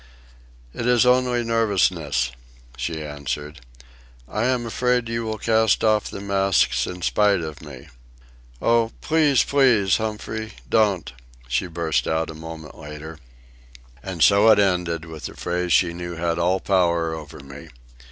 "It is only nervousness," she answered. "I am afraid you will cast off the masts in spite of me." "Oh, please, please, Humphrey, don't!" she burst out, a moment later. And so it ended, with the phrase she knew had all power over me.